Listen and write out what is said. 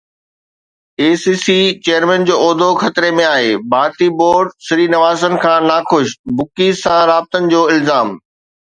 اي C C chairman جو عهدو خطري ۾ آهي، ڀارتي بورڊ سري نواسن کان ناخوش، بکيز سان رابطن جو الزام